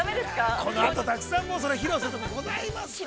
このあと、たくさん披露するとこございますから。